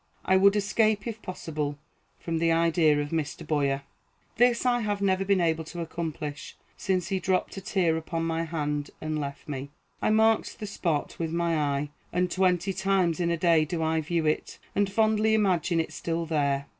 I would escape, if possible, from the idea of Mr. Boyer. This I have never been able to accomplish since he dropped a tear upon my hand and left me. I marked the spot with my eye, and twenty times in a day do I view it, and fondly imagine it still there.